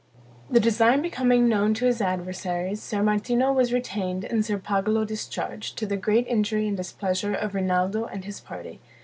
The design becoming known to his adversaries, Ser Martino was retained and Ser Pagolo discharged, to the great injury and displeasure of Rinaldo and his party.